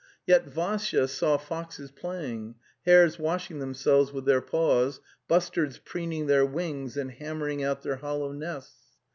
Yet Vassya saw foxes play ing, hares washing themselves with their paws, bustards preening their wings and hammering out their hollow nests.